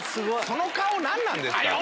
その顔何なんですか？